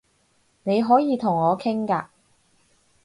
你可以同我傾㗎